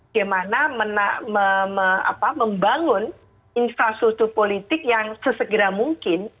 bagaimana membangun infrastruktur politik yang sesegera mungkin